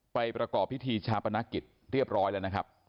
ประกอบพิธีชาปนกิจเรียบร้อยแล้วนะครับ